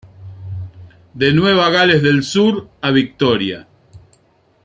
De Nueva Gales del Sur a Victoria.